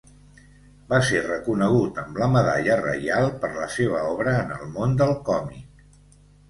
Va ser reconegut amb la medalla reial per la seva obra en el món del còmic.